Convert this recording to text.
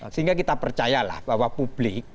sehingga kita percayalah bahwa publik